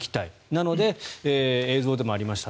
なので、映像でもありました